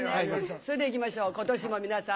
それでは行きましょう今年も皆さん。